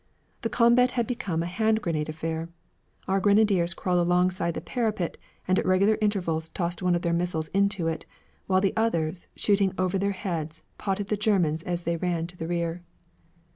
The combat had become a hand grenade affair. Our grenadiers crawled alongside the parapet and at regular intervals tossed one of their missiles into it, while the others, shooting over their heads, potted the Germans as they ran to the rear.